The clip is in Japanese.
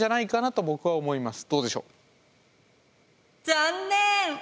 残念！